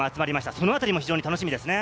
そのあたりも非常に楽しみですね。